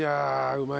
うまい。